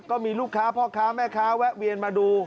ก็มีลูกค้าพ่อค้าแม่ค้าแวะเวียนมาดู